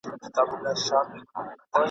زړه نازړه په شمار اخلي د لحد پر لور ګامونه ..